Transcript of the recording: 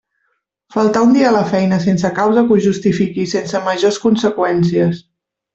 Faltar un dia a la feina sense causa que ho justifiqui i sense majors conseqüències.